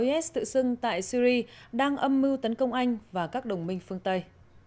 is tự xưng tại syri đang âm mưu tấn công anh và các đồng minh phương tây